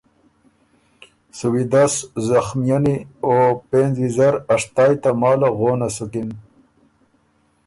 سُو ویدس زخمئنی او پېنځ ویزر اشتای تماله غونه سُکِن۔